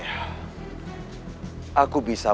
sebelum aku mulai